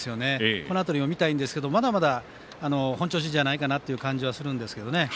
この辺りを見たいんですけどまだまだ本調子じゃないかなっていう感じはするんですけどね。